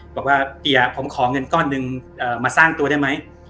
บอกว่าเปียผมขอเงินก้อนหนึ่งมาสร้างตัวได้ไหม